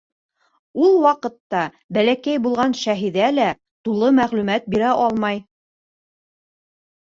Ул ваҡытта бәләкәй булған Шәһиҙә лә тулы мәғлүмәт бирә алмай.